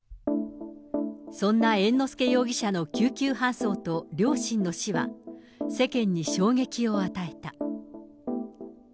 そんな猿之助容疑者の救急搬送と両親の死は、世間に衝撃を与えた。